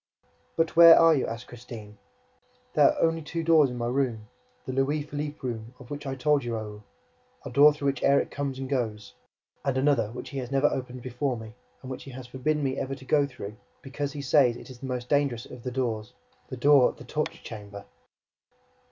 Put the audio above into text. "But where are you?" asked Christine. "There are only two doors in my room, the Louis Philippe room of which I told you, Raoul; a door through which Erik comes and goes, and another which he has never opened before me and which he has forbidden me ever to go through, because he says it is the most dangerous of the doors, the door of the torture chamber!"